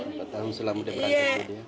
empat tahun selama dia berakhir